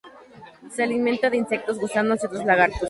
Se alimenta de insectos, gusanos y otros lagartos.